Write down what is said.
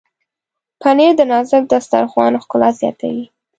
پنېر د نازک دسترخوان ښکلا زیاتوي.